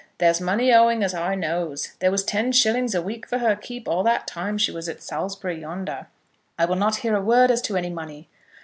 There's money owing as I knows. There was ten shilling a week for her keep all that time she was at Salsbry yonder." "I will not hear a word as to any money."